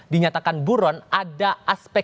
dinyatakan buron ada aspek